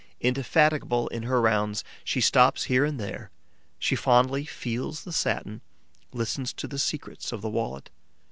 Indefatigable in her rounds, she stops here and there; she fondly feels the satin, listens to the secrets of the wallet.